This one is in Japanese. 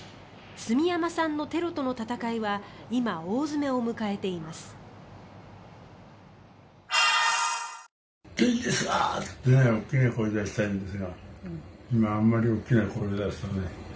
住山さんのテロとの闘いは今、大詰めを迎えています。